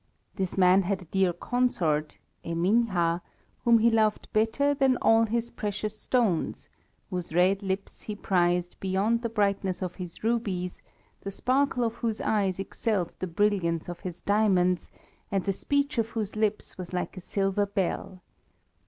This man had a dear consort Eminha whom he loved better than all his precious stones, whose red lips he prized beyond the brightness of his rubies, the sparkle of whose eyes excelled the brilliance of his diamonds, and the speech of whose lips was like a silver bell.